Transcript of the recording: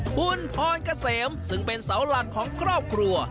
คุณพรเกษมซึ่งเป็นเสาหลักของครอบครัว